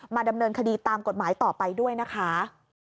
ดำเนินคดีตามกฎหมายต่อไปด้วยนะคะ